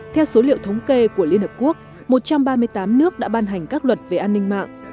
theo số liệu thống kê của liên hợp quốc một trăm ba mươi tám nước đã ban hành các luật về an ninh mạng